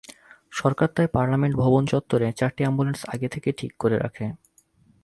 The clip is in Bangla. সরকার তাই পার্লামেন্ট ভবন চত্বরে চারটি অ্যাম্বুলেন্স আগে থেকেই ঠিক করে রাখে।